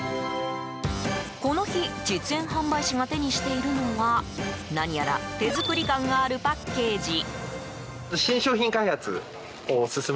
この日、実演販売士が手にしているのは何やら手作り感があるパッケージ。